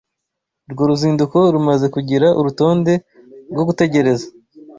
Urwo ruzinduko rumaze kugira urutonde rwo gutegereza.